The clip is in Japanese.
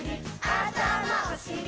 あたまおしり